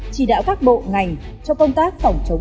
chỉ đạo các bộ ngành cho công tác phòng chống